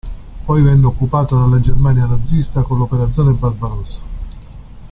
Poi venne occupata dalla Germania nazista con l'operazione Barbarossa.